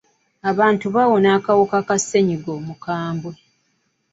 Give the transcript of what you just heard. Abantu bawona akawuka ka ssenyiga omukambwe.